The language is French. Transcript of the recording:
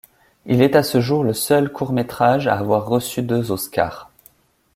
Il est à ce jour le seul court métrage à avoir reçu deux Oscars.